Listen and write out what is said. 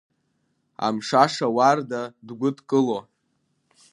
Амшаша Уарда дгәыдкыло.